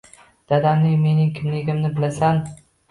Dadamning mening kimligimni bilasan.